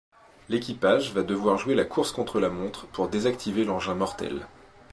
L'équipage va devoir jouer la course contre la montre pour désactiver l'engin mortel.